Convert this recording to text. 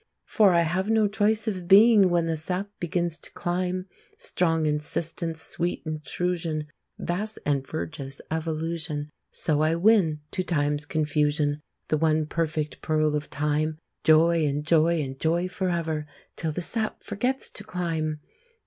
For I have no choice of being, When the sap begins to climb, Strong insistence, sweet intrusion, Vasts and verges of illusion, So I win, to time's confusion, The one perfect pearl of time, Joy and joy and joy forever, Till the sap forgets to climb!